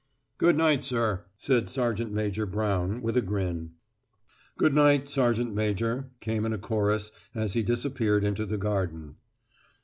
"Good night, sir," said Sergeant Major Brown, with a grin. "Good night, Sergeant Major," came in a chorus as he disappeared into the garden.